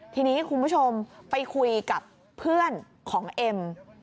ทีนี้คุณผู้ชมไปคุยกับเพื่อนของเอ็ม